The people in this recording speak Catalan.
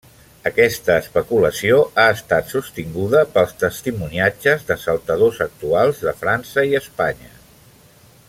Aquesta especulació ha estat sostinguda pels testimoniatges de saltadors actuals de França i Espanya.